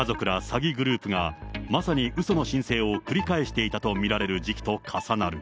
詐欺グループが、まさにうその申請を繰り返していたと見られる時期と重なる。